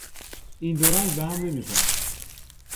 این دو رنگ به هم نمیخورند.